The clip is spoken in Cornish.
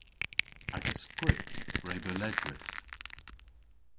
Agas skrypp re beu ledrys.